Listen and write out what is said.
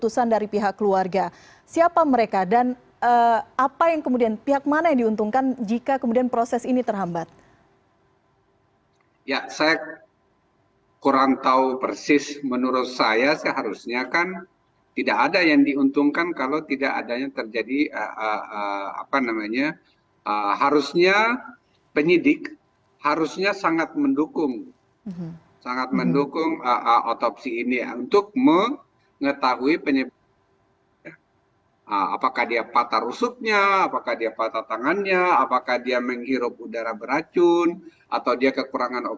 selamat sore mbak